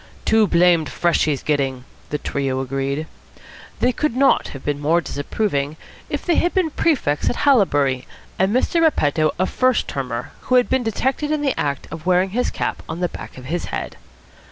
"Too blamed fresh he's gettin'," the trio agreed. They could not have been more disapproving if they had been prefects at Haileybury and Mr. Repetto a first termer who had been detected in the act of wearing his cap on the back of his head.